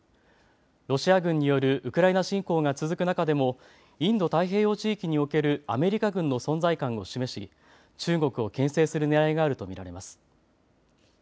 ロシア軍によるウクライナ侵攻が続く中でもインド太平洋地域におけるアメリカ軍の存在感を示し中国をけん制するねらいがあると見られます。